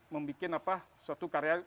membuat suatu karya